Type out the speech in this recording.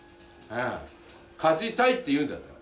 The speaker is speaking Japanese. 勝ちたいって言うんだったら。